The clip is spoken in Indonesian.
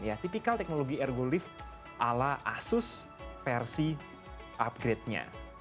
ya tipikal teknologi ergolift ala asus versi upgrade nya